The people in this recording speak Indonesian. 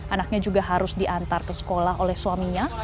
anaknya juga harus diantar ke sekolah oleh suaminya